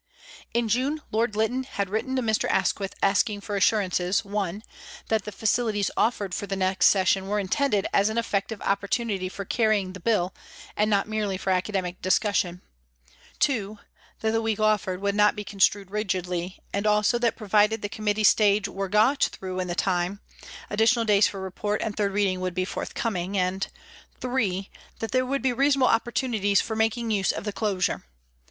In June Lord Lytton had written to Mr. Asquith asking for assurances (1) that the facilities offered for next Session were intended as an effective opportunity for carrying the Bill, and not merely for academic discussion ; (2) that the week offered would not be construed rigidly, and also that pro vided the Committee stage were got through in the time, additional days for report and third reading would be forthcoming ; and (3) that there would be reasonable opportunities for making use of the closure.